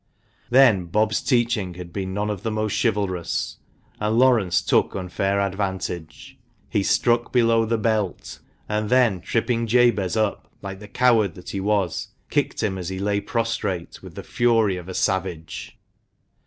Then Bob's teaching had been none of the most chivalrous, and Laurence took unfair advantage. He "struck below the belt," and then tripping Jabez up, like the coward that he was, kicked him, as he lay prostrate, with the fury of a savage.